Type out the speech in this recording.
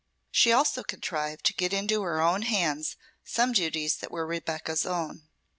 She also contrived to get into her own hands some duties that were Rebecca's own.